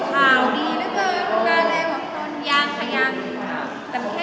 ได้ข่าวเร็วว่าจะแต่งงานแล้วหรือเปล่า